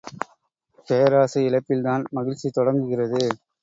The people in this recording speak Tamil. பேராசை இழப்பில்தான், மகிழ்ச்சி தொடங்குகிறது.